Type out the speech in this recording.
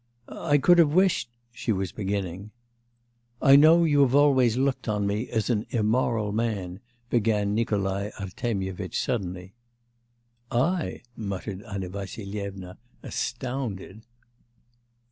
'I could have wished ' she was beginning. 'I know you have always looked on me as an "immoral" man,' began Nikolai Artemyevitch suddenly. 'I!' muttered Anna Vassilyevna, astounded.